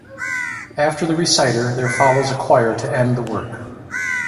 After the reciter, there follows a choir to end the work.